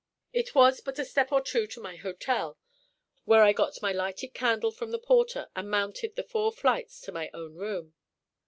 It was but a step or two to my hotel, where I got my lighted candle from the porter and mounted the four flights to my own room.